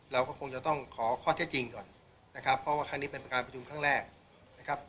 เราก็คงจะต้องขอข้อเท็จจริงก่อนนะครับเพราะว่าครั้งนี้เป็นการประชุมครั้งแรกนะครับ